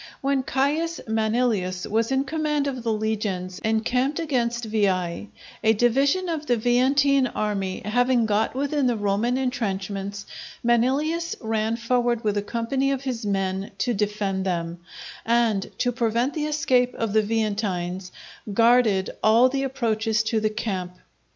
When Caius Manilius was in command of the legions encamped against Veii, a division of the Veientine army having got within the Roman intrenchments, Manilius ran forward with a company of his men to defend them, and, to prevent the escape of the Veientines, guarded all the approaches to the camp.